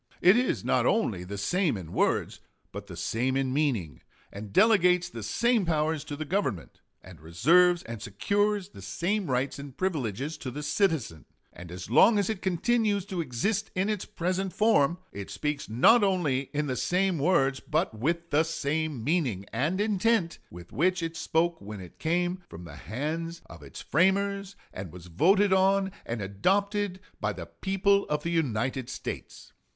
It is not only the same in words, but the same in meaning, and delegates the same powers to the Government, and reserves and secures the same rights and privileges to the citizen; and as long as it continues to exist in its present form, it speaks not only in the same words but with the same meaning and intent with which it spoke when it came from the hands of its framers and was voted on and adopted by the people of the United States.